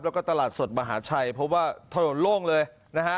แล้วก็ตลาดสดมหาชัยเพราะว่าถนนโล่งเลยนะฮะ